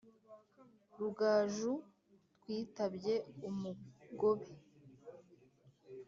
Rugaju twitabye umugobe